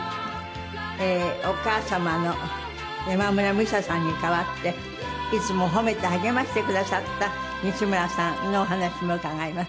お母様の山村美紗さんに代わっていつも褒めて励ましてくださった西村さんのお話も伺います。